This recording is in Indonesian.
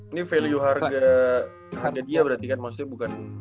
ini value harganya dia berarti kan maksudnya bukan